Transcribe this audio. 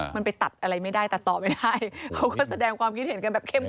มันไปตัดอะไรไม่ได้ตัดต่อไม่ได้เขาก็แสดงความคิดเห็นกันแบบเข้ม